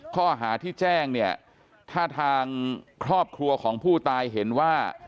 ข้อหาที่แจ้งเนี่ยถ้าทางครอบครัวของผู้ตายเห็นว่า